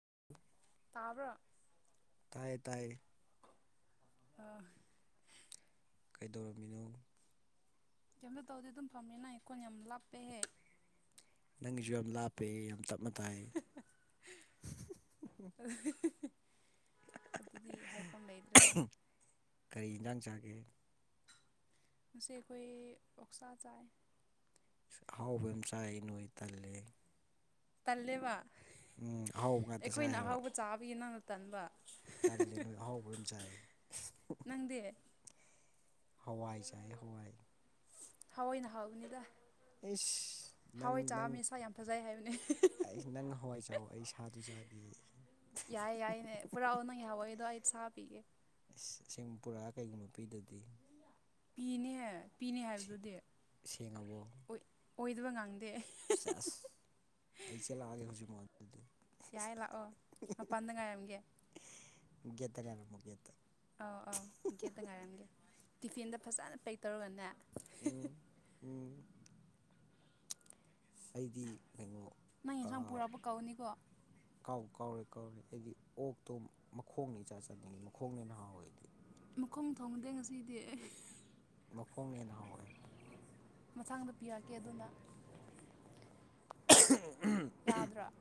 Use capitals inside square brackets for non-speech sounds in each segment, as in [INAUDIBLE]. [INAUDIBLE] ꯕ꯭ꯔ ꯇꯌꯦ ꯇꯌꯦ ꯑꯥ ꯀꯩꯗꯧꯔꯝꯃꯤꯅꯣ ꯀꯩꯝꯇ ꯇꯧꯗꯤ ꯑꯗꯨꯝ ꯐꯝꯃꯤꯅꯩ ꯑꯩꯈꯣꯟ ꯌꯥꯝ ꯂꯥꯞꯄꯦꯍꯦ ꯅꯪꯒꯤꯁꯨ ꯌꯥꯝ ꯂꯥꯞꯄꯦ ꯌꯥꯝ ꯇꯞꯅ ꯇꯥꯏ ꯑꯗꯨꯗꯤ ꯍꯥꯏꯐꯝ ꯂꯩꯇ꯭ꯔꯦ ꯀꯔꯤ ꯏꯟꯖꯥꯡ ꯆꯥꯒꯦ ꯃꯁꯤ ꯀꯣꯏ ꯑꯣꯛꯁꯥꯖꯏ ꯑꯁ ꯑꯍꯥꯎꯕ ꯌꯥꯝ ꯆꯥꯏ ꯅꯣꯏ ꯇꯜꯂꯦ ꯇꯜꯂꯦꯕ ꯎꯝ ꯑꯍꯥꯎꯕ ꯉꯥꯛꯇ ꯆꯥꯏꯑꯕ ꯆꯥꯕꯤꯒꯤ ꯅꯪꯅ ꯇꯟꯕ ꯇꯜꯂꯦ ꯅꯣꯏ ꯑꯍꯥꯎꯕ ꯌꯥꯝ ꯆꯥꯏ ꯅꯪꯗꯦ ꯍꯋꯥꯏ ꯆꯏ ꯍꯋꯥꯏ ꯍꯋꯥꯏꯅ ꯍꯥꯎꯕꯅꯤꯗ ꯏꯁ ꯅꯪ ꯍꯋꯥꯏ ꯅꯪ ꯆꯥꯕꯅꯤ ꯁꯥ ꯌꯥꯝ ꯐꯖꯩ ꯍꯥꯏꯕꯅꯦ ꯑꯩ ꯅꯪ ꯍꯋꯥꯏ ꯆꯥꯎ ꯑꯩ ꯁꯥꯗꯨ ꯆꯥꯒꯦ ꯌꯥꯏꯌꯦ ꯌꯥꯏꯅꯦ ꯄꯨꯔꯥꯑꯣ ꯅꯪ ꯌꯥꯍꯋꯥꯏꯗꯣ ꯑꯩ ꯁꯥ ꯄꯤꯒꯦ ꯑꯁꯦꯡ ꯄꯨꯔꯛꯑ ꯀꯩꯒꯨꯝꯕ ꯄꯤꯗ꯭ꯔꯗꯤ ꯄꯤꯅꯦ ꯄꯤꯅꯦ ꯍꯥꯏꯕꯗꯨꯗꯤ ꯁꯦꯡꯉꯕꯣ ꯑꯣꯏꯗꯕ ꯉꯥꯡꯗꯦ ꯁꯦꯁ ꯑꯩ ꯆꯦꯜꯂꯛꯑꯒꯦ ꯍꯧꯖꯤꯛꯃꯛ ꯑꯗꯨꯗꯤ ꯌꯥꯏ ꯂꯥꯛꯑꯣ ꯃꯄꯥꯟꯗ ꯉꯥꯏꯔꯝꯒꯦ ꯌꯦꯇ ꯀꯥꯏꯅꯃꯨ ꯌꯦ ꯑꯧ ꯑꯥꯎ ꯒꯦꯠꯇ ꯉꯥꯏꯔꯝꯒꯦ ꯇꯤꯐꯤꯟꯗ ꯐꯖꯅ ꯄꯦꯛ ꯇꯧꯔꯒꯅꯦ ꯎꯝ ꯎꯝ ꯑꯩꯗꯤ ꯀꯩꯅꯣ ꯅꯪ ꯑ ꯌꯦꯟꯁꯥꯡ ꯄꯨꯔꯛꯄ ꯀꯧꯅꯤꯀꯣ ꯀꯥꯎꯕꯨ ꯀꯥꯎꯔꯦ ꯀꯥꯎꯔꯦ ꯑꯩꯗꯤ ꯑꯣꯛꯇꯣ ꯃꯈꯣꯡꯅ ꯏꯆꯥ ꯆꯥꯅꯤꯡꯉꯤ ꯃꯈꯣꯡꯅ ꯍꯦꯟꯅ ꯍꯥꯎꯋꯦ ꯑꯩꯗꯤ ꯃꯈꯣꯡ ꯊꯣꯡꯕꯗ ꯉꯁꯤꯗꯤ ꯑꯩ ꯃꯈꯣꯡ ꯌꯦꯅ ꯍꯧꯥꯎꯋꯦ ꯃꯊꯥꯡꯗ ꯄꯤꯔꯛꯀꯦ ꯑꯗꯨꯅ ꯑꯍꯝ ꯎꯝ ꯌꯥꯗ꯭ꯔꯥ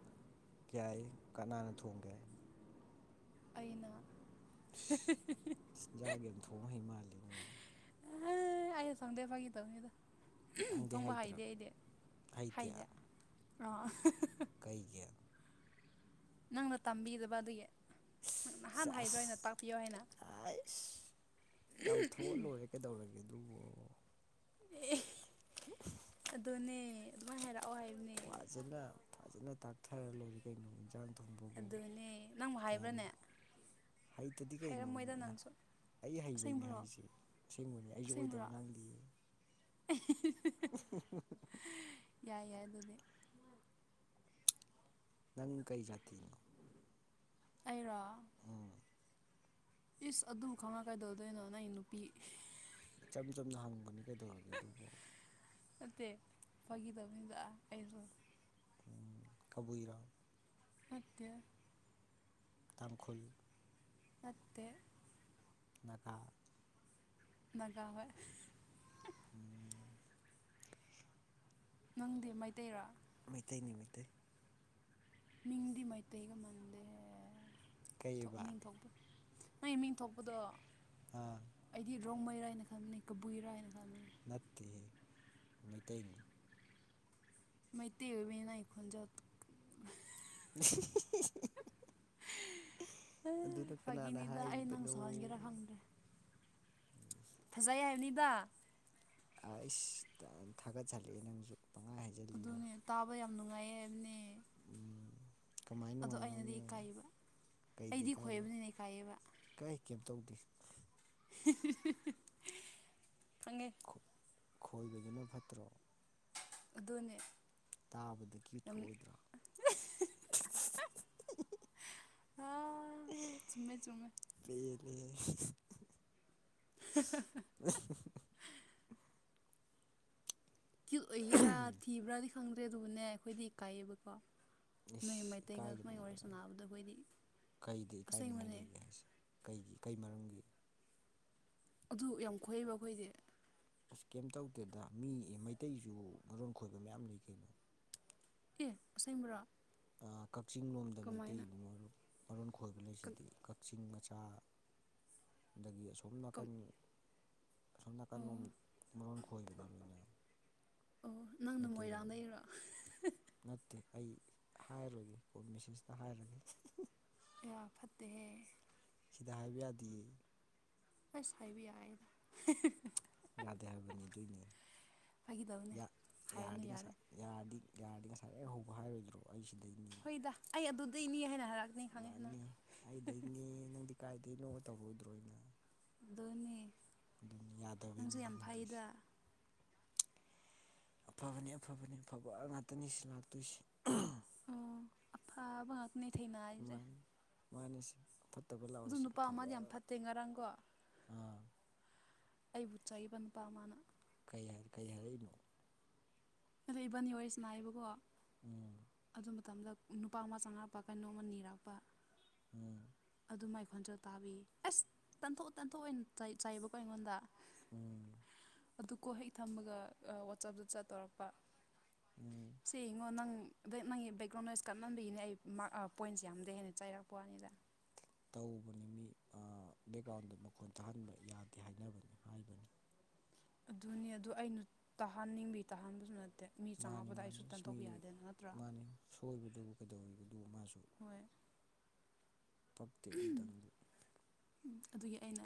ꯌꯥꯏ ꯌꯦꯀꯅꯥꯅ ꯊꯣꯡꯒꯦ ꯑꯩꯅ ꯏꯁ ꯏꯟꯖꯥꯡ ꯌꯥꯝ ꯊꯣꯡ ꯍꯩ ꯃꯥꯜꯂꯦꯅꯦ ꯑ ꯑꯩ ꯁꯥꯎꯗꯦ ꯐꯒꯤ ꯇꯅꯤꯗꯣ ꯎꯝ ꯅꯪꯗꯤ ꯊꯣꯡꯕ ꯍꯩꯇ꯭ꯔꯣ ꯍꯩꯗꯤ ꯑꯩꯗꯤ ꯍꯩꯇꯦ ꯍꯩꯗꯦ ꯑꯥ ꯍ ꯍ ꯍ ꯀꯩꯒꯤ ꯅꯪ ꯇꯝꯕꯤꯗꯕ ꯑꯗꯨꯒꯤ ꯅꯪ ꯅꯍꯥꯟꯅ ꯍꯥꯏꯗ꯭ꯔꯣ ꯑꯩꯅ ꯁꯦꯁ ꯇꯥꯛꯄꯤꯌꯣ ꯍꯥꯏꯅ ꯑꯩꯁ ꯇꯝꯊꯣꯛꯑ ꯂꯣꯏꯔꯦ ꯀꯩꯗꯧꯔꯒꯦ ꯑꯗꯨꯕꯨ ꯑꯦ ꯑꯗꯨꯅꯦ ꯑꯗꯨꯃꯥꯏꯅ ꯍꯥꯏꯔꯛꯑꯣ ꯍꯥꯏꯕꯅꯦ ꯐꯖꯅ ꯐꯖꯅ ꯇꯥꯛꯊꯔ ꯂꯣꯏꯔꯦ ꯀꯩꯅꯣꯁꯦ ꯆꯥꯛ ꯊꯣꯡꯕꯕꯨ ꯑꯗꯨꯅꯦ ꯅꯪꯕꯨ ꯀꯌꯥꯝ ꯍꯥꯏꯕ꯭ꯔꯥꯅꯦ ꯍꯩꯇꯗꯤ ꯍꯥꯏꯔꯝꯃꯣꯏꯗ ꯀꯩꯅꯣꯃ ꯅꯪꯁꯨ ꯑꯩ ꯍꯩꯕꯩꯅꯦ ꯑꯁꯦꯡꯕ꯭ꯔꯣ ꯍꯥꯏꯁꯦ ꯑꯁꯦꯡꯕꯅꯤ ꯑꯩꯁꯨ ꯑꯣꯏꯗꯕ ꯉꯥꯡꯗꯦꯌꯦ ꯑꯦ ꯍ ꯍ ꯍ ꯎ ꯌꯥꯏ ꯌꯥꯏ ꯑꯗꯨꯗꯤ ꯅꯪ ꯀꯩ ꯖꯥꯇꯤꯅꯣ ꯑꯩꯔꯣ ꯎꯝ ꯏꯁ ꯑꯗꯨꯝ ꯈꯪꯉ ꯀꯥꯏꯗꯧꯗꯣꯏꯅꯣ ꯅꯪꯒꯤ ꯅꯨꯄꯤ ꯏꯆꯝ ꯆꯝꯅ ꯍꯪꯕꯅꯤ ꯀꯩꯗꯧꯔꯒꯦ ꯑꯗꯨꯕꯨ ꯅꯠꯇꯦ ꯐꯒꯤ ꯇꯧꯕꯅꯤꯗ ꯑꯩꯁꯨ ꯎꯝ ꯀꯕꯨꯏꯔꯣ ꯅꯠꯇꯦ ꯇꯥꯡꯈꯨꯜ ꯅꯠꯇꯦ ꯑꯗꯨꯒꯅꯥꯒ ꯃꯉꯥꯎꯋꯦ ꯎꯝ ꯅꯪꯗꯤ ꯃꯩꯇꯩꯔꯣ ꯃꯩꯇꯩꯅꯤ ꯃꯩꯇꯩ ꯃꯤꯡꯗꯤ ꯃꯩꯇꯩꯒ ꯃꯟꯗꯦ ꯊꯣꯛ ꯀꯩꯕ ꯃꯤꯡꯊꯣꯛ ꯅꯪ ꯃꯤꯡ ꯊꯣꯛꯄꯗꯣ ꯑꯥ ꯑꯩꯗꯤ ꯔꯣꯡꯃꯩ ꯔꯥꯏꯅ ꯈꯟꯕꯅꯦ ꯀꯕꯨꯏꯔꯥꯏꯅ ꯈꯪꯟꯕꯅꯦ ꯅꯠꯇꯦ ꯃꯤꯇꯩ ꯃꯩꯇꯩ ꯑꯣꯏꯕꯩꯅꯦ ꯅꯪꯒꯤ ꯈꯣꯟꯖꯦꯜ [UNINTELLIGIBLE] ꯑꯗꯨꯅ ꯀꯅꯥꯅ ꯐꯥꯒꯤꯅꯤꯗ ꯑꯩ ꯅꯪ ꯍꯥꯏꯔꯤꯕꯅꯣ ꯁꯧꯍꯟꯒꯦꯔꯥ ꯈꯪꯗ꯭ꯔꯦ ꯐꯖꯩ ꯍꯥꯏꯕꯅꯤꯕ ꯑꯩꯁ ꯊꯥꯒꯠꯆꯜꯂꯛꯑꯦ ꯅꯪꯁꯨ ꯄꯪꯍꯥꯏ ꯍꯥꯏꯖꯜꯂꯤꯍꯦ ꯑꯗꯨꯅꯦ ꯇꯥꯕ ꯌꯥꯝ ꯅꯨꯡꯉꯥꯏꯌꯦ ꯍꯥꯏꯕꯅꯦ ꯀꯃꯥꯏ ꯑꯗꯣ ꯑꯩꯅꯗꯤ ꯅꯨꯡꯉꯥꯏꯅꯣꯅꯦ ꯏꯀꯥꯏꯕ ꯀꯩꯗꯤ ꯑꯩꯗꯤ ꯀꯥꯏ ꯈꯣꯏꯕꯅꯤꯅ ꯏꯀꯥꯏꯌꯦꯕ ꯀꯥꯏ ꯀꯩꯝꯇꯧꯗꯦ ꯍꯤꯍꯤꯍꯤꯍꯤ ꯈꯪꯉꯦ ꯈꯣꯏ ꯈꯣꯏꯕꯗꯨꯅ ꯐꯠꯇ꯭ꯔꯣ ꯑꯗꯨꯅꯦ ꯇꯥꯕꯗ ꯀ꯭ꯌꯨꯠꯀ ꯌꯥꯝ ꯑꯣꯏꯗ꯭ꯔꯥ ꯍꯥ ꯆꯨꯝꯃꯦ ꯆꯨꯝꯃꯦ ꯄꯦꯜꯂꯤꯍꯦ ꯍꯥ ꯍꯥ ꯍꯥ ꯎꯝꯍꯝ ꯀ꯭ꯌꯨꯠ ꯑꯣꯏꯒꯦꯔꯥ ꯊꯤꯕ꯭ꯔꯥꯗꯤ ꯈꯪꯗ꯭ꯔꯦ ꯑꯗꯨꯕꯨꯅꯦ ꯑꯩꯈꯣꯏꯗꯤ ꯀꯥꯏꯑꯕꯀꯣ ꯅꯣꯏ ꯏꯁ ꯃꯩꯇꯩꯒ ꯁꯨꯃꯥꯏ ꯏꯀꯥꯏꯒꯅꯨꯗ ꯋꯥꯔꯤ ꯁꯥꯟꯅꯕꯗ ꯑꯩꯈꯣꯏꯗꯤ ꯀꯩꯗ ꯏꯀꯥꯏꯅꯤꯡꯉꯥꯏ ꯑꯁꯦꯡꯕꯅꯦ ꯂꯩꯒꯦ ꯍꯥꯏꯁꯦ ꯀꯩꯒꯤ ꯀꯩ ꯃꯔꯝꯒꯤ ꯑꯗꯨ ꯌꯥꯝ ꯈꫭꯏꯑꯕ ꯑꯩꯈꯣꯏꯗꯤ ꯑꯁ ꯀꯩꯝ ꯇꯧꯗꯦꯗ ꯃꯤ ꯃꯩꯇꯩꯁꯨ ꯃꯔꯣꯟ ꯈꯣꯏꯕ ꯃꯌꯥꯝ ꯂꯩ ꯀꯩꯅꯣ ꯑꯦ ꯑꯁꯦꯡꯕꯔꯣ ꯑ ꯀꯛꯆꯤꯡ ꯂꯣꯝꯗ ꯃꯩꯇꯩ ꯀꯃꯥꯏꯅ ꯃꯔꯣꯟ ꯈꯣꯏꯕ ꯂꯩꯁꯤꯗꯤ ꯀꯛꯆꯤꯡ ꯃꯆꯥ ꯑꯗꯒꯤ ꯑꯁꯣꯝ ꯅꯥꯀꯟ ꯑꯁꯣꯝ ꯅꯥꯀꯟ ꯂꫭꯝ ꯑꯣ ꯃꯔꯣꯟ ꯈꯣꯏꯕꯅꯤ ꯂꯣꯏꯅ ꯑꯣ ꯅꯪꯅ ꯃꯩꯇꯩꯔꯣꯟꯗꯨ ꯃꯣꯏꯔꯥꯡꯗꯩꯔꯣ ꯅꯠꯇꯦ ꯑꯩ ꯍꯥꯏꯔꯣꯏꯒꯦ ꯀꯣꯜ ꯃꯦꯁꯦꯖꯇ ꯍꯥꯏꯔꯒꯦ ꯑꯌꯥ ꯐꯠꯇꯦꯍꯦ ꯁꯤꯗ ꯍꯥꯏꯕ ꯌꯥꯗꯌꯦ ꯑꯁ ꯍꯥꯢꯕ ꯌꯥꯏꯅꯥ ꯌꯥꯗꯦ ꯍꯥꯏꯕꯅꯤ ꯑꯗꯨꯏꯅꯤ ꯐꯥꯒꯤꯗꯧꯅꯦ ꯍꯥꯏꯔꯅꯨ ꯌꯥꯔꯗꯤ ꯌꯥꯔꯦ ꯉꯁꯥꯏ ꯌꯥꯔꯗꯤ ꯌꯥꯔꯗꯤ ꯉꯁꯥꯏ ꯑꯩ ꯍꯧꯕ ꯍꯥꯏꯔꯣꯏꯗ꯭ꯔꯣ ꯑꯩ ꯁꯤꯗꯩꯅꯦ ꯍꯣꯏꯗ ꯑꯩ ꯑꯗꯨꯗꯩꯅꯤ ꯍꯥꯏꯅ ꯍꯥꯏꯔꯛꯅꯤ ꯈꯪꯉꯦ ꯅꯪ ꯑꯦ ꯅꯪꯗꯤ ꯀꯥꯏꯗꯒꯤꯅꯣꯃ ꯇꯧꯔꯣꯏꯗ꯭ꯔꯣꯏꯅꯣ ꯑꯗꯨꯅꯦ ꯅꯪꯁꯨ ꯌꯥꯗꯕꯩꯅꯤ ꯌꯥꯝ ꯐꯩꯗ ꯍꯪꯗ꯭ꯔꯤꯁꯦ ꯑꯐꯕꯅꯦ ꯑꯐꯕꯅꯦ ꯑꯐꯕ ꯉꯥꯛꯇꯅꯤ ꯁꯤ ꯂꯥꯛꯇꯣꯏꯁꯤ ꯑꯣ ꯑꯐꯥꯕ ꯉꯛꯅꯦꯊꯥꯏꯅ ꯑꯩꯔꯦ ꯃꯥꯅꯤꯁꯤ ꯐꯠꯇꯕ ꯂꯥꯛ ꯑꯗꯨ ꯅꯨꯄꯥ ꯑꯃꯗꯤ ꯌꯥꯝ ꯐꯠꯇꯦ ꯉꯔꯥꯡꯀꯣ ꯑꯥ ꯑꯩꯕꯨ ꯆꯩꯕ ꯅꯨꯄꯥ ꯑꯃꯥꯅ ꯀꯩ ꯍꯥꯏ ꯀꯩ ꯍꯥꯏꯔꯛꯏꯅꯣ ꯑꯗ ꯏꯕꯟꯅꯤ ꯋꯥꯔꯤꯁꯤꯅꯥꯏꯕꯀꯣ ꯎꯝ ꯑꯗꯨ ꯃꯇꯝꯗ ꯅꯨꯄꯥ ꯑꯃ ꯆꯪꯉꯛꯄ ꯀꯩꯅꯣꯝ ꯑꯃ ꯅꯤꯔꯛꯄ ꯎꯝ ꯑꯗꯨ ꯃꯥꯏ ꯈꯣꯟꯖꯦꯜ ꯇꯥꯕꯤ ꯑꯁ ꯇꯥꯟꯊꯣꯛꯑꯣ ꯇꯥꯟꯊꯣꯛꯑꯣ ꯍꯩꯅ ꯆꯩꯏ ꯆꯩꯏꯕꯀꯣ ꯑꯩꯉꯣꯟꯗ ꯎꯝ ꯑꯗꯨꯀꯣ ꯍꯦꯛ ꯊꯝꯕꯒ ꯑ ꯋꯥꯆꯞꯇ ꯆꯠ ꯇꯧꯔꯛꯄ ꯎꯝ ꯁꯦ ꯌꯦꯡꯉꯣ ꯅꯪ ꯕꯦꯛ ꯅꯪꯒꯤ ꯕꯦꯛꯒ꯭ꯔꯥꯎꯟ ꯂꯂꯦꯖ ꯀꯞꯍꯟꯕꯤꯒꯤꯅꯤ ꯑꯩ ꯄꯣꯏꯟꯁꯦ ꯌꯥꯝꯗꯤ ꯍꯦꯟꯅ ꯆꯩꯥꯏꯔꯛꯄ ꯋꯥꯅꯤꯗ ꯇꯧꯕꯅꯤ ꯃꯤ ꯕꯦꯛꯒ꯭ꯔꯥꯎꯟꯗ ꯃꯈꯣꯟ ꯇꯥꯍꯟꯕ ꯌꯥꯗꯦ ꯍꯥꯏꯅꯕꯅꯤ ꯍꯥꯏꯕꯅꯤ ꯑꯗꯨꯅꯤ ꯑꯗꯨ ꯑꯩꯅ ꯇꯥꯍꯟꯅꯤꯡꯕꯤ ꯇꯥꯍꯟꯕꯁꯨ ꯅꯠꯇꯦ ꯃꯤ ꯃꯥꯅꯤ ꯆꯪꯉꯛꯕꯗ ꯑꯩꯁꯨ ꯃꯥꯅꯤ ꯇꯟ ꯏꯁ ꯃꯤ ꯇꯧꯕ ꯌꯥꯗꯦꯅ ꯅꯠꯇ꯭ꯔꯥ ꯃꯥꯅꯤ ꯁꯣꯏꯕꯗꯨꯕꯨ ꯀꯩꯗꯧꯔꯤꯕꯗꯨ ꯃꯥꯁꯨ ꯍꯣꯏ ꯄꯛꯇꯦ ꯑꯗꯨꯇꯪꯕꯨ ꯑꯗꯨꯒꯤ ꯑꯩꯅ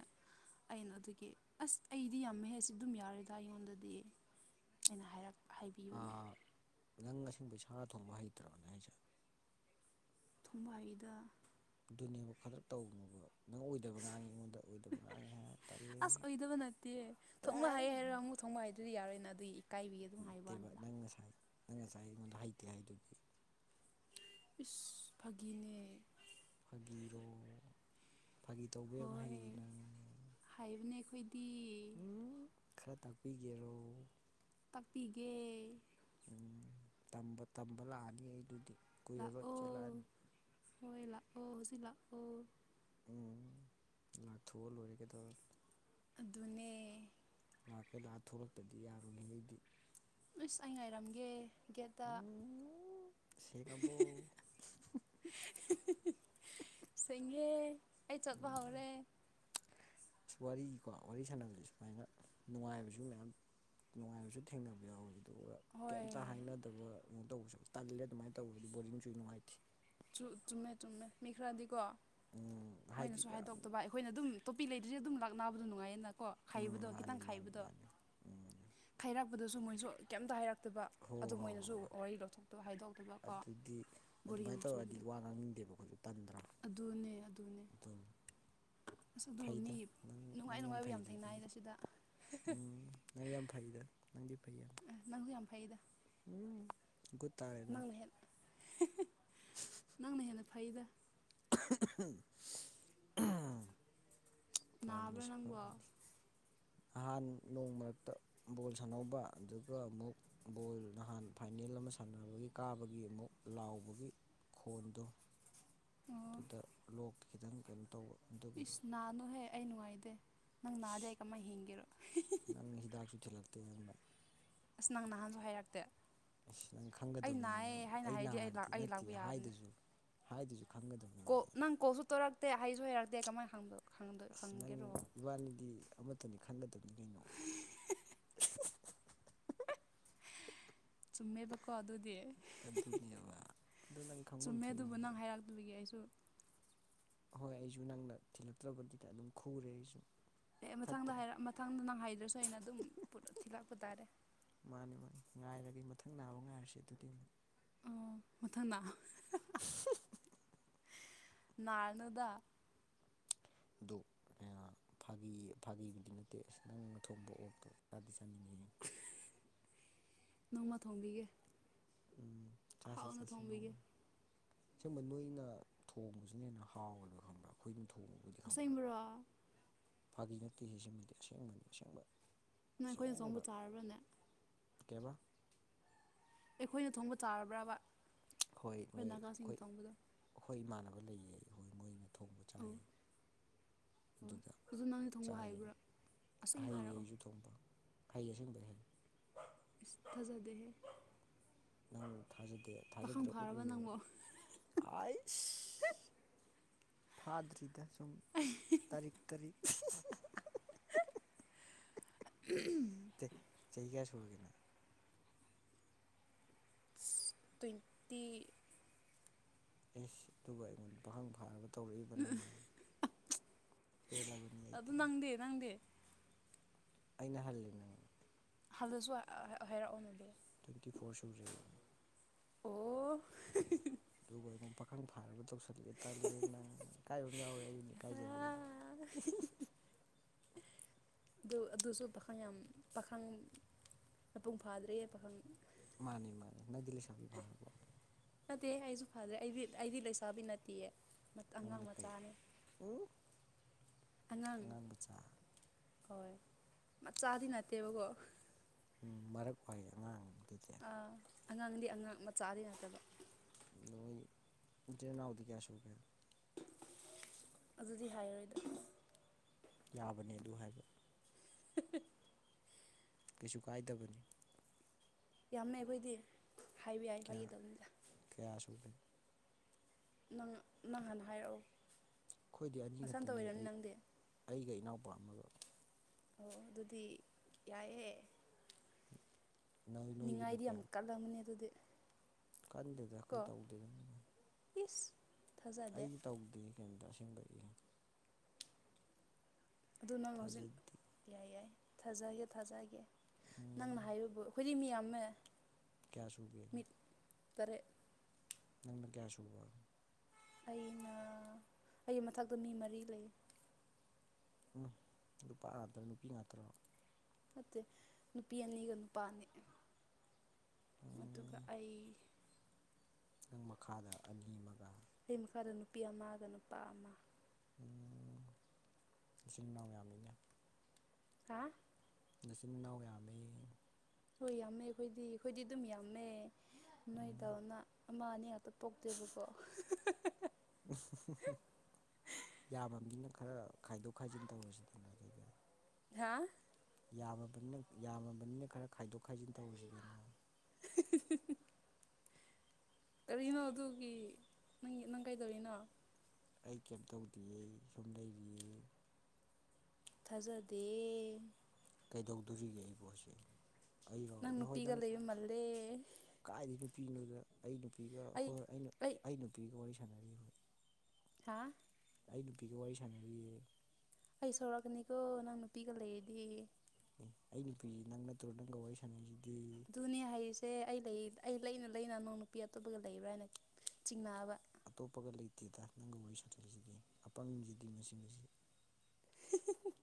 ꯑꯩꯅ ꯑꯗꯨꯒꯤ ꯑꯁ ꯑꯩꯗꯤ ꯌꯥꯝꯃꯦꯍꯦ ꯁꯤ ꯑꯗꯨꯝ ꯌꯥꯔꯦꯗ ꯑꯩꯉꯣꯟꯗꯗꯤ ꯑꯩꯅ ꯍꯥꯏꯔꯛ ꯍꯥꯏꯕꯤ ꯅꯪꯁꯤꯡꯕꯨ ꯁꯥ ꯊꯣꯡꯕ ꯍꯩꯇ꯭ꯔꯕꯅꯦ ꯍꯥꯏꯁꯦ ꯊꯣꯡꯕꯥꯏꯗ ꯑꯗꯨꯅꯦꯕ ꯈꯛꯇꯛ ꯇꯧꯕ ꯅꯪ ꯑꯣꯏꯗꯕ ꯉꯥꯡꯉꯤ ꯑꯩꯉꯣꯟꯗ ꯑꯣꯏꯗꯕ ꯉꯥꯡꯉꯤ ꯍꯥꯏꯅ ꯇꯜꯜꯂꯤ ꯑꯁ ꯑꯣꯏꯗꯕ ꯅꯠꯇꯦ ꯊꯣꯡꯕ ꯇꯥꯏ ꯍꯩ ꯍꯥꯏꯔꯒ ꯑꯃꯨꯛ ꯊꯣꯡꯕ ꯍꯥꯏꯗꯨꯗꯤ ꯌꯥꯔꯣꯏꯅ ꯑꯗꯨꯒꯤ ꯏꯀꯥꯏꯕꯤꯒꯤ ꯑꯗꯨꯝ ꯅꯠꯇꯦꯕ ꯍꯥꯏꯕꯋꯥꯅꯤꯗ ꯅꯪ ꯉꯁꯥꯏ ꯅꯪ ꯉꯁꯥꯏ ꯑꯩꯉꯣꯟꯗ ꯍꯥꯏꯗꯦ ꯍꯥꯏꯗꯨꯗꯤ ꯏꯁꯁ ꯐꯒꯤꯅꯦ ꯐꯥꯒꯤꯔꯣ ꯐꯥꯒꯤ ꯇꯧꯕ ꯌꯥꯝ ꯍꯣꯏ ꯍꯩꯌꯦ ꯅꯪ ꯍꯥꯏꯕꯅꯦ ꯑꯩꯈꯣꯏꯗꯤ ꯎꯝ ꯈꯔ ꯇꯥꯛꯄꯤꯒꯦꯔꯣ ꯇꯥꯛꯄꯤꯒꯦ ꯎꯝ ꯇꯝꯕ ꯇꯝꯕ ꯂꯥꯛꯑꯅꯤ ꯑꯩ ꯑꯗꯨꯗꯤ ꯀꯨꯏꯔꯔꯣꯏ ꯂꯥꯛꯑꯣ ꯆꯦꯜꯂꯛꯑꯅꯤ ꯍꯣꯏ ꯂꯥꯛꯑꯣ ꯍꯧꯖꯤꯛ ꯂꯥꯛꯑꯣ ꯎꯝ ꯂꯥꯛꯊꯣꯛꯑ ꯂꯣꯏꯔꯒꯦꯗ ꯑꯗꯨꯅꯦ ꯃꯥꯔ ꯀꯩꯂꯥ ꯊꯣꯛꯂꯛꯇꯗꯤ ꯌꯥꯔꯣꯏ ꯑꯩꯗꯤ ꯑꯁ ꯑꯩ ꯉꯥꯏꯔꯝꯒꯦ ꯒꯦꯠꯇ ꯎꯝ ꯁꯦꯡꯉꯕꯣ ꯁꯦꯡꯉꯦ ꯑꯩ ꯆꯣꯠꯄ ꯍꯧꯔꯦ ꯑꯁ ꯋꯥꯔꯤꯀꯣ ꯋꯥꯔꯤ ꯁꯥꯟꯅꯕꯁꯦ ꯁꯨꯃꯥꯏꯅ ꯅꯨꯡꯉꯥꯏꯕꯁꯨ ꯃꯌꯥꯝ ꯅꯨꯡꯉꯥꯏꯕꯁꯨ ꯊꯦꯡꯅꯕ ꯌꯥꯎꯋꯤ ꯑꯗꯨꯒ ꯍꯣꯏ ꯀꯩꯝꯇ ꯍꯥꯏꯅꯗꯕ ꯀꯩꯅꯣ ꯇꯧꯕꯁꯨ ꯇꯜꯂꯦ ꯑꯗꯨꯃꯥꯏꯅ ꯇꯧꯕꯗꯗꯤ ꯕꯣꯔꯤꯡꯁꯨ ꯅꯨꯡꯉꯥꯏꯇꯦ ꯆꯨꯝꯃꯦ ꯆꯨꯝꯃꯦ ꯃꯤ ꯈꯔꯗꯤꯀꯣ ꯎꯝ ꯍꯥꯏꯗꯤ ꯃꯣꯏꯅꯁꯨ ꯌꯥꯝ ꯍꯥꯏꯗꯣꯛꯇꯕ ꯑꯩ ꯑꯩꯈꯣꯏꯅ ꯑꯗꯨꯝ ꯇꯣꯄꯤ ꯂꯩꯗꯔꯤꯦ ꯑꯗꯨꯝ ꯂꯥꯛꯅꯥꯅꯕꯗ ꯅꯨꯡꯉꯥꯏꯌꯦꯅ ꯀꯣ ꯈꯥꯏꯕꯗꯣ ꯎꯝ ꯃꯥꯅꯤ ꯈꯤꯇꯪ ꯃꯥꯅꯤ ꯈꯥꯏꯕꯗꯣ ꯃꯥꯅꯤ ꯎꯝ ꯈꯥꯏꯔꯛꯄꯗꯁꯨ ꯃꯣꯏꯁꯨ ꯀꯩꯝꯇ ꯍꯥꯏꯔꯛꯇꯕ ꯍꯣ ꯑꯗꯨ ꯍꯣꯏ ꯍꯣꯏ ꯃꯣꯏꯅꯁꯨ ꯍꯣꯏ ꯋꯥꯔꯤ ꯂꯧꯊꯣꯛꯇꯕ ꯍꯥꯏꯗꯣꯛꯇꯕ ꯀꯣ ꯑꯗꯨꯗꯤ ꯕꯣꯔꯤꯡ ꯑꯗꯨꯃꯥꯏꯅ ꯌꯥꯝ ꯇꯧꯔꯗꯤ ꯆꯨꯕꯗꯣ ꯋꯥ ꯉꯥꯡꯅꯤꯡꯗꯦꯕ ꯍꯧꯖꯤ ꯇꯟꯗ꯭ꯔ ꯑꯗꯨꯅꯦ ꯑꯗꯨꯅꯦ ꯑꯁ ꯑꯗꯨ ꯃꯤ ꯐꯩꯗ ꯅꯪ ꯅꯨꯡꯉꯥꯏ ꯅꯪ ꯅꯨꯡꯉꯥꯏꯕ ꯌꯥꯝ ꯐꯩꯗ ꯑꯗꯨꯗꯤ ꯊꯦꯡꯅꯏꯅ ꯁꯤꯗ ꯎꯝ ꯅꯪ ꯌꯥꯝ ꯐꯩꯗ ꯅꯪꯗꯤ ꯐꯩ ꯌꯥꯝ ꯅꯪꯒ ꯌꯥꯝ ꯐꯩꯗ ꯎꯝ ꯠꯇꯥꯔꯦꯅ ꯅꯪꯅ ꯍꯦꯟꯅ ꯅꯪꯅ ꯍꯦꯟꯅ ꯐꯩꯗ ꯎꯝ ꯄꯜꯅꯤ ꯅꯥꯕ꯭ꯔꯥ ꯅꯪꯕꯣ ꯄꯅꯤ ꯑꯣ ꯑꯍꯥꯟ ꯅꯣꯡ ꯃꯔꯛꯇ ꯕꯣꯜ ꯁꯥꯟꯅꯧꯕ ꯑꯗꯨꯒ ꯑꯃꯨꯛ ꯕꯣꯜ ꯅꯍꯥꯟ ꯐꯥꯏꯅꯦꯜ ꯑꯃ ꯁꯥꯟꯅꯕꯒꯤ ꯀꯥꯕꯒꯤ ꯑꯃꯨꯛ ꯂꯥꯎꯕꯒꯤ ꯈꯣꯟꯗꯣ ꯑꯗꯨꯗ ꯂꯣꯛꯇ ꯈꯤꯇꯪ ꯀꯩꯅꯣ ꯇꯧꯕ ꯑꯗꯨꯒꯤꯅꯤ ꯏꯁ ꯅꯥꯅꯨꯍꯦ ꯑꯩ ꯅꯨꯡꯉꯥꯏꯗꯦ ꯅꯪ ꯍꯤꯗꯥꯛꯁꯨ ꯊꯤꯜꯂꯛꯇꯦ ꯅꯪꯅ ꯑꯁ ꯅꯪ ꯅꯍꯥꯟꯁꯨ ꯍꯥꯏꯔꯛꯇꯦ ꯑꯁ ꯅꯪ ꯑꯩ ꯈꯪꯒꯗꯕꯅꯤ ꯅꯪ ꯅꯥꯏꯌꯦ ꯍꯥꯏꯅ ꯑꯩ ꯍꯥꯏꯔꯗꯤ ꯅꯥꯔꯗꯤ ꯑꯩ ꯂꯥꯛꯄ ꯅꯠꯇꯤꯌꯦ ꯌꯥꯕꯅꯦ ꯍꯥꯏꯗꯁꯨ ꯍꯥꯏꯗꯁꯨ ꯈꯪꯒꯗꯕꯅꯤ ꯀꯣꯜ ꯅꯪ ꯀꯣꯜꯁꯨ ꯇꯧꯔꯛꯇꯦ ꯍꯩꯖꯨ ꯍꯩꯔꯛꯇꯦ ꯀꯃꯥꯏꯅ ꯍꯪꯗꯣ ꯑꯁ ꯅꯪ ꯏꯕꯥꯅꯤꯗꯤ ꯑꯃꯠꯇꯅꯤ ꯈꯟꯒꯗꯕꯅꯤ ꯀꯩꯅꯣ ꯆꯨꯝꯃꯦꯕꯀꯣ ꯑꯗꯨꯗꯤ ꯑꯗꯨꯅꯦꯕ ꯑꯗꯨ ꯅꯪ ꯈꯪꯐꯝ ꯆꯨꯝꯃꯦ ꯑꯗꯨꯕꯨ ꯊꯣꯛꯏꯅꯦ ꯅꯪ ꯍꯥꯏꯔꯛꯇꯕꯒꯤ ꯑꯩꯁꯨ ꯍꯣꯏ ꯑꯩꯖꯨ ꯅꯪꯅ ꯊꯤꯜꯂꯛꯇ꯭ꯔꯕꯗꯤꯅ ꯑꯗꯨꯝ ꯈꯨꯔꯦ ꯑꯩꯁꯨ ꯑꯦ ꯃꯊꯪꯗ ꯐꯠꯇ꯭ꯔꯦ ꯍꯥꯏꯔ ꯃꯊꯪꯗ ꯅꯪ ꯍꯥꯏꯗ꯭ꯔꯁꯨ ꯑꯩꯅ ꯑꯗꯨꯝ ꯄꯨꯔ ꯊꯤꯜꯂꯛꯄ ꯇꯥꯔꯦ ꯃꯥꯅꯦ ꯃꯥꯅꯦ ꯉꯥꯏꯔꯒ ꯃꯊꯪ ꯅꯥꯕ ꯉꯥꯏꯔꯁꯦ ꯑꯗꯨꯗꯤ ꯑꯃꯨꯛ ꯑꯣ ꯃꯊꯪꯅ [UNINTELLIGIBLE] ꯅꯥꯔꯅꯨꯗ ꯑꯗꯣ ꯐꯥꯒꯤ ꯐꯥꯒꯤꯕꯨꯗꯤ ꯅꯠꯇꯦ ꯑꯁ ꯅꯪꯅ ꯊꯣꯡꯕ ꯑꯣꯛꯇꯣ ꯆꯥꯗꯤ ꯆꯥꯅꯤꯉꯤ ꯅꯣꯡꯃ ꯊꯣꯡꯝꯕꯤꯒꯦ ꯎꯝ ꯆꯁꯦ ꯆꯁꯦ ꯊꯣꯡꯕꯤꯒꯦ ꯅꯣꯡꯃ ꯑꯁꯦꯡꯕ ꯅꯣꯏꯅ ꯊꯣꯡꯕꯁꯤꯅ ꯍꯦꯟꯅ ꯍꯥꯎꯋꯦꯕ ꯈꯪꯕ꯭ꯔꯥ ꯑꯩꯈꯣꯏꯅ ꯊꯣꯡꯉꯕꯨꯗꯤ ꯑꯁꯦꯡꯕ꯭ꯔꯣ ꯐꯥꯒꯤ ꯅꯠꯇꯦꯍꯦ ꯁꯤꯃꯗꯤ ꯑꯁꯦꯡꯕꯅꯤ ꯑꯁꯦꯡꯕ ꯅꯪ ꯑꯩꯈꯣꯏꯅ ꯊꯣꯡꯕ ꯆꯥꯔꯕ꯭ꯔꯥꯅꯦ ꯀꯩꯑꯕ ꯑꯩꯈꯣꯏꯅ ꯊꯣꯡꯕ ꯆꯥꯔꯕ꯭ꯔꯥꯕ ꯍꯣꯏ ꯅꯣꯏ ꯑꯩꯈꯣꯏ ꯈꯣꯏ ꯏꯃꯥꯟꯅꯕ ꯂꯩꯌꯦ ꯍꯣꯏ ꯃꯣꯏꯅ ꯊꯣꯡꯕ ꯑꯣ ꯆꯥꯏꯌꯦ ꯑꯣ ꯑꯗꯨꯗ ꯑꯗꯨ ꯅꯪꯗꯤ ꯊꯣꯡꯕ ꯆꯥꯌꯦ ꯍꯥꯏꯕ꯭ꯔꯥ ꯍꯩꯌꯦ ꯑꯁꯦꯡꯕ ꯍꯥꯏꯔꯛꯑꯣ ꯑꯩꯩꯖꯨ ꯊꯣꯡꯕ ꯍꯩ ꯑꯁꯦꯡꯕꯩ ꯍꯩ ꯏꯁ ꯊꯥꯖꯥꯗꯦꯍꯦ ꯅꯪ ꯊꯥꯖꯗꯦ ꯄꯥꯈꯪ ꯊꯥꯖꯗ꯭ꯔꯦ ꯎꯠꯂ ꯐꯥꯔꯕ ꯅꯪꯕꯣ ꯂꯣꯢꯔꯦ ꯑꯩꯁ ꯐꯥꯗ꯭ꯔꯤꯗ ꯁꯨꯝ ꯇꯔꯤꯛ ꯇꯔꯤꯛ [UNINTELLIGIBLE] ꯇꯦ ꯆꯍꯤ ꯀꯌꯥ ꯁꯨꯔꯒꯦ ꯅꯪ ꯇ꯭ꯋꯦꯟꯇꯤ ꯢꯁ ꯑꯗꯨꯒ ꯑꯩꯉꯣꯟꯗ ꯄꯥꯈꯪ ꯐꯥꯔꯕ ꯇꯧꯔꯛꯏꯕ ꯅꯪꯅ ꯄꯦꯜꯂꯕꯅꯤ ꯑꯗꯨ ꯑꯩꯗꯤ ꯅꯪꯗꯤ ꯅꯪꯗꯤ ꯑꯩꯅ ꯍꯜꯂꯦ ꯅꯪ ꯍꯜꯂꯖꯨ ꯑ ꯑ ꯍꯥꯏꯔꯛꯑꯣꯅꯦꯗꯣ ꯇ꯭ꯋꯦꯟꯇꯤ ꯐꯣꯔ ꯁꯨꯔꯦ ꯑꯩꯗꯤ ꯑꯣ... ꯑꯗꯨꯒ ꯑꯩꯉꯣꯟ ꯄꯥꯈꯪ ꯐꯥꯔꯕ ꯇꯧꯁꯜꯂꯛꯑꯦ ꯇꯜꯂꯦ ꯅꯪ ꯏꯀꯥꯏꯕ ꯑꯃ ꯌꯥꯎꯋꯦ ꯑꯩ ꯑꯣꯢꯅ ꯏꯀꯥꯏꯖꯔꯦ [UNINTELLIGIBLE] ꯑꯗꯨ ꯑꯗꯨꯁꯨ ꯄꯥꯈꯪ ꯌꯥꯝ ꯄꯥꯈꯪ ꯃꯄꯨꯡ ꯐꯥꯗ꯭ꯔꯤꯌꯦ ꯄꯥꯈꯪ ꯃꯥꯅꯤ ꯃꯥꯅꯤ ꯅꯪꯗꯤ ꯂꯩꯁꯥꯕꯤ ꯐꯥꯔꯔꯕꯣ ꯅꯠꯇꯦ ꯑꯩꯁꯨ ꯐꯗ꯭ꯔꯦ ꯑꯩꯗꯤ ꯑꯩꯗꯤ ꯂꯩꯁꯥꯕꯤ ꯅꯠꯇꯤꯌꯦ ꯑꯉꯥꯡ ꯅꯪꯅ ꯀꯩ ꯃꯆꯥꯅꯦ [UNINTELLIGIBLE] ꯑꯉꯥꯡ ꯍꯣꯏ ꯃꯆꯥꯗꯤ ꯅꯠꯇꯦꯕꯀꯣ ꯎꯝ ꯃꯔꯛ ꯋꯥꯢ ꯑꯉꯥꯡ ꯑꯗꯨꯗꯤ ꯑ ꯑꯉꯥꯡꯗꯤ ꯑꯉꯥꯡ ꯃꯆꯥꯗꯤ ꯅꯠꯇꯕ ꯅꯣꯢ ꯢꯆꯤꯟ ꯢꯅꯥꯎꯗꯤ ꯀꯌꯥ ꯁꯨꯒꯦ ꯑꯗꯨꯗꯤ ꯍꯥꯏꯔꯔꯣꯏꯗ ꯌꯥꯕꯅꯦ ꯑꯗꯨ ꯍꯥꯏꯕ [UNINTELLIGIBLE] ꯀꯩꯁꯨ ꯀꯥꯏꯗꯕꯅꯦ ꯌꯥꯝꯃꯦ ꯑꯩꯈꯣꯏꯗꯤ ꯍꯥꯏꯕ ꯌꯥꯏ ꯐꯒꯤ ꯇꯧꯕꯅꯤꯗ ꯀꯌꯥꯁꯨ ꯎꯦ ꯅꯪ ꯅꯪ ꯍꯥꯟꯅ ꯍꯥꯏꯔꯛꯑꯣ ꯑꯩꯈꯣꯏꯗꯤ ꯑꯅꯤ ꯅꯁꯥꯝꯇ ꯈꯛꯇꯅꯦ ꯑꯣꯏꯔꯅꯤ ꯑꯩ ꯅꯪꯗꯤ ꯑꯩꯒ ꯏꯅꯥꯎꯄꯥ ꯑꯃꯒ ꯑꯣ ꯑꯣ ꯑꯗꯨꯗꯤ ꯌꯥꯏꯑꯦ ꯅꯣꯏ ꯅꯣꯏꯒꯤꯅ ꯅꯤꯡꯉꯥꯏꯗꯤ ꯌꯥꯝ ꯀꯌꯥ ꯀꯜꯂꯝꯃꯅꯤ ꯑꯗꯨꯗꯤ ꯀꯟꯗꯦꯗ ꯑꯩꯈꯣꯏ ꯀꯣ ꯇꯧꯗꯦꯗ ꯏꯁ ꯊꯥꯖꯗꯦ ꯑꯩꯗꯤ ꯇꯧꯗꯦ ꯀꯩꯝꯇ ꯑꯁꯦꯡꯕꯒꯤ ꯑꯗꯨ ꯅꯪ ꯍꯧꯖꯤꯛ ꯊꯥꯖꯗꯦ ꯌꯥꯏ ꯌꯥꯏ ꯊꯥꯖꯒꯦ ꯊꯥꯖꯒꯦ ꯎꯝ ꯅꯪꯅ ꯍꯥꯏꯕꯕꯨ ꯑꯩꯈꯣꯏꯗꯤ ꯃꯤ ꯌꯥꯝꯃꯦ꯫ ꯀꯌꯥ ꯁꯨ ꯀ ꯃꯤ ꯇꯔꯦꯠ ꯅꯪ ꯀꯌꯥꯁꯨꯨꯕ ꯑꯩꯅ ꯑꯩꯒꯤ ꯃꯊꯛꯇ ꯃꯤ ꯃꯔꯤ ꯂꯩ꯫ ꯎꯝ ꯅꯨꯄꯥ ꯉꯥꯛꯇ꯭ꯔ ꯅꯨꯄꯤ ꯉꯥꯛꯇ꯭ꯔꯣ? ꯅꯠꯇꯦ ꯅꯨꯄꯤ ꯑꯅꯤꯒ ꯅꯨꯄꯥ ꯑꯅꯤ꯫ ꯑꯗꯨꯒ ꯎꯝ ꯑꯩ ꯅꯪ ꯃꯈꯥꯗ ꯑꯅꯤ ꯑꯃꯒ ꯂꯩ ꯃꯈꯥꯗ ꯅꯨꯄꯤ ꯑꯃꯒ ꯅꯨꯄꯥ ꯑꯃ ꯏꯆꯤꯟ ꯏꯅꯥꯎ ꯌꯥꯝꯃꯤꯅꯦ꯫ ꯍꯥ ꯅꯆꯤꯟ ꯃꯅꯥꯎ ꯌꯥꯝꯃꯤ꯫ ꯍꯣꯏ ꯌꯥꯝꯃꯦ ꯑꯩꯈꯣꯏꯗꯤ ꯑꯩꯈꯣꯏꯗꯤ ꯑꯗꯨꯝ ꯌꯥꯝꯃꯦ ꯎꯝ ꯅꯣꯏꯗꯧꯅ ꯑꯃ ꯑꯅꯤ ꯉꯥꯛꯇ ꯄꯣꯛꯇꯦꯕꯀꯣ [UNINTELLIGIBLE] ꯌꯥꯕꯅꯤꯅ ꯈꯔ ꯈꯥꯏꯗꯣꯛ ꯈꯥꯏꯖꯤꯟ ꯇꯧꯔꯁꯤꯗꯅ ꯑꯗꯨꯗꯤ ꯍꯥ ꯌꯥꯝꯃꯕꯅ ꯌꯥꯝꯃꯕꯅꯤꯅ ꯈꯔ ꯈꯥꯏꯗꯣꯛ ꯈꯥꯏꯖꯤꯟ ꯇꯧꯔꯨꯁꯤꯗꯅ [UNINTELLIGIBLE] ꯀꯔꯤꯅꯣ ꯑꯗꯨꯒꯤ ꯅꯪ ꯅꯪ ꯀꯩꯗꯧꯔꯤꯅꯣ ꯑꯩ ꯀꯩꯝ ꯇꯧꯗꯤꯌꯦ ꯁꯨꯝ ꯂꯩꯔꯤꯌꯦ꯫ ꯊꯥꯖꯗꯦ ꯀꯩꯗꯧꯗꯣꯔꯤꯒꯦ ꯑꯩ ꯄꯣꯠꯁ ꯅꯪ ꯅꯨꯄꯤꯤꯒꯂ ꯃꯂꯦ꯫ ꯀꯥꯏꯗ ꯅꯨꯄꯤꯅꯣꯗ ꯑꯩ ꯅꯨꯄꯤꯒ ꯍꯣꯏ ꯑꯩ ꯑꯩ ꯅꯨꯄꯤꯒ ꯋꯥꯔꯤ ꯁꯥꯟꯅꯔꯤ ꯍꯣꯏ ꯍꯥ ꯑꯩ ꯅꯨꯄꯤꯒ ꯋꯥꯔꯤ ꯁꯥꯟꯅꯔꯤꯌꯦ꯫ ꯑꯩ ꯁꯧꯔꯛꯀꯅꯤꯀꯣ ꯅꯪ ꯅꯨꯄꯤꯒ ꯂꯩꯔꯗꯤ ꯑꯦ ꯑꯩ ꯅꯨꯄꯤ ꯅꯪ ꯅꯠꯇ꯭ꯔꯣ ꯅꯪꯒ ꯋꯥꯔꯤ ꯁꯥꯟꯅꯩꯁꯤꯗꯤ ꯑꯗꯨꯅꯦ ꯍꯥꯏꯔꯤꯁꯦ ꯑꯩ ꯂꯩ ꯑꯩ ꯂꯩꯅ ꯂꯩꯅ ꯅꯩ ꯅꯨꯄꯤ ꯑꯇꯣꯞꯄꯒ ꯂꯩꯕ꯭ꯔꯥ ꯍꯥꯏꯅ ꯆꯤꯡꯅꯕ ꯑꯇꯣꯞꯄꯒ ꯂꯩꯇꯦꯗ ꯅꯪꯒ ꯋꯥꯔꯤ ꯁꯥꯅꯔꯤꯁꯤꯗꯤ ꯑꯄꯪꯁꯤꯗꯤ ꯃꯁꯤ ꯃꯁꯤ